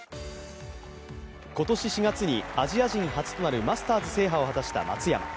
今年４月にアジア人初となるマスターズ制覇を果たした松山。